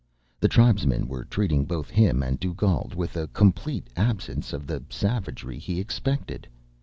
The tribesmen were treating both him and Dugald with a complete absence of the savagery he expected.